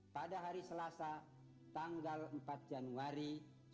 pada hari selasa tanggal empat januari seribu sembilan ratus sembilan puluh empat